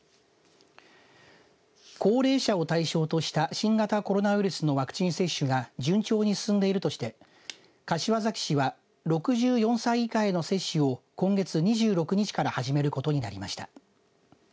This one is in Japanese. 高齢者は対象とした新型コロナウイルスのワクチン接種が順調に進んでいるとして柏崎市は６４歳以下への接種を今月２６日から始めることになりました。